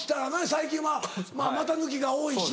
最近は股抜きが多いしな。